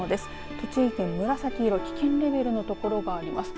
栃木県、紫色危険レベルのところがあります。